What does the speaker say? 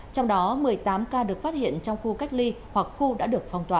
trong đó một mươi tám ca được phát hiện trong khu cách ly hoặc khu đã được phong tỏa